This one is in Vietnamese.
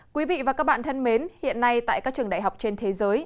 quý vị và các bạn thân mến hiện nay tại các trường đại học trên thế giới